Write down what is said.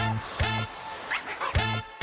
โน้ท